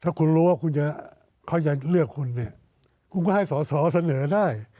ถ้าคุณรู้ว่าเขาจะเลือกคุณคุณก็ให้ส่อเสนอได้